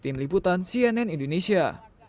tim liputan cnn indonesia